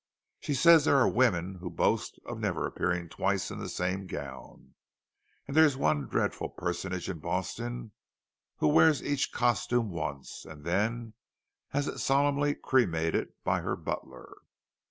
She says there are women who boast of never appearing twice in the same gown, and there's one dreadful personage in Boston who wears each costume once, and then has it solemnly cremated by her butler!"